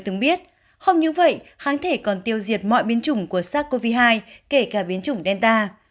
từng biết không như vậy kháng thể còn tiêu diệt mọi biến chủng của sars cov hai kể cả biến chủng delta